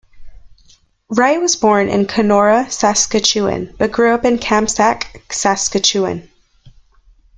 Wright was born in Canora, Saskatchewan, but grew up in Kamsack, Saskatchewan.